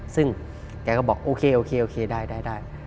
ซึ่งแกก็บอกโอเคโอเคได้